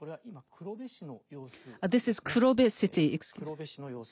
黒部市の様子です。